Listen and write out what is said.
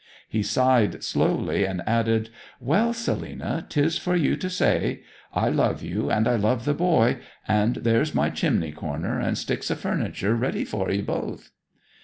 He sighed slowly and added, 'Well, Selina, 'tis for you to say. I love you, and I love the boy; and there's my chimney corner and sticks o' furniture ready for 'ee both.'